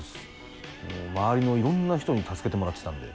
周りのいろんな人に助けてもらってたんで。